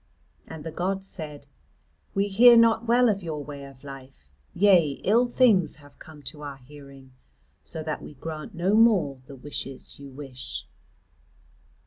And the gods said: "We hear not well of your way of life, yea ill things have come to our hearing, so that we grant no more the wishes you wish."